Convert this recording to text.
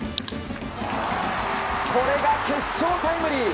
これが決勝タイムリー！